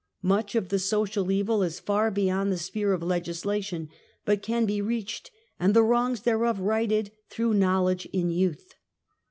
Much of the social evil is far beyond the sphere of legislation, but can be reached and the wrongs thereof righted through knowledge in youth.